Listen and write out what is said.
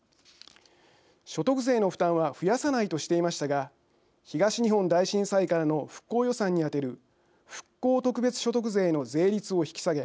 所得税の負担は増やさないとしていましたが東日本大震災からの復興予算に充てる復興特別所得税の税率を引き下げ